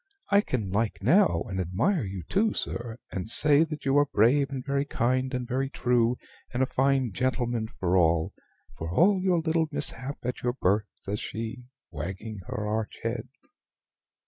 I can like now, and admire you too, sir, and say that you are brave, and very kind, and very true, and a fine gentleman for all for all your little mishap at your birth," says she, wagging her arch head.